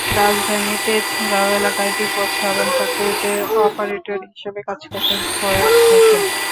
রাজধানীর তেজগাঁও এলাকার তিব্বত সাবান ফ্যাক্টরিতে অপারেটর হিসেবে কাজ করতেন সৈয়দ হোসেন।